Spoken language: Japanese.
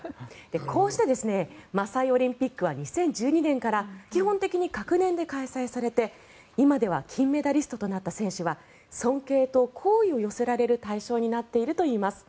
こうしてマサイ・オリンピックは２０１２年から基本的に隔年で開催されて今では金メダリストとなった選手は尊敬と好意を寄せられる対象になっているといいます。